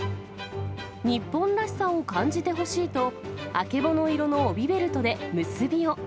日本らしさを感じてほしいと、曙色の帯ベルトで結びを。